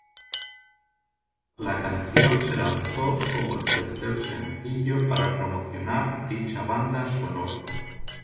La canción se lanzó como el tercer sencillo para promocionar dicha banda sonora.